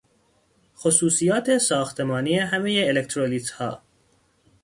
خصوصیات ساختمانی همهی الکترولیتها